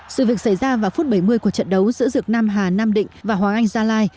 sự việc xảy ra vào phút bảy mươi của trận đấu giữa dược nam hà nam định và hoàng anh gia lai